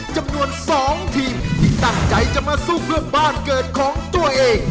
จำนวน๒ทีมที่ตั้งใจจะมาสู้เพื่อบ้านเกิดของตัวเอง